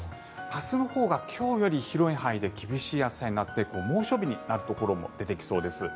明日のほうが今日より広い範囲で厳しい暑さになって猛暑日になるところも出てきそうです。